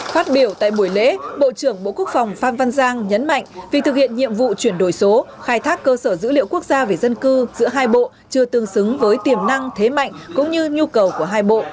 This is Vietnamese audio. phát biểu tại buổi lễ bộ trưởng bộ quốc phòng phan văn giang nhấn mạnh vì thực hiện nhiệm vụ chuyển đổi số khai thác cơ sở dữ liệu quốc gia về dân cư giữa hai bộ chưa tương xứng với tiềm năng thế mạnh cũng như nhu cầu của hai bộ